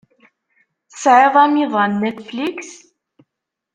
Tesɛiḍ amiḍan Netflix?